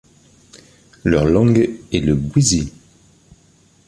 Leur langue est le bwisi.